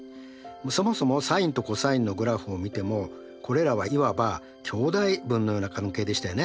そもそもサインとコサインのグラフを見てもこれらはいわば兄弟分のような関係でしたよね。